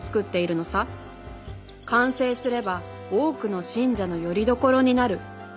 「完成すれば多くの信者のよりどころになる」